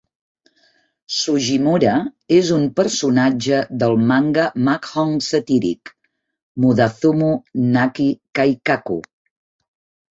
Sugimura és un personatge del manga mahjong satíric "Mudazumo Naki Kaikaku".